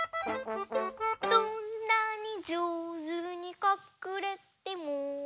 「どんなにじょうずにかくれても」